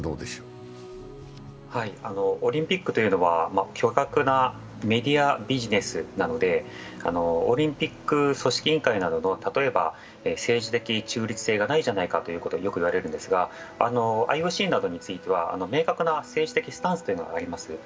オリンピックというのは巨額なメディアビジネスなのでオリンピック組織委員会など例えば政治的中立性がないじゃないかとよく言われるんですが、ＩＯＣなどについては、明確な政治的なスタンスというのがあります。